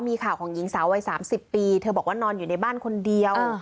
มีข่าวของหญิงสาววัย๓๐ปีเธอบอกว่านอนอยู่ในบ้านคนเดียว